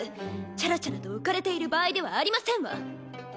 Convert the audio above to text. チャラチャラと浮かれている場合ではありませんわ！